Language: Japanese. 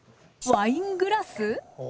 ワイングラス？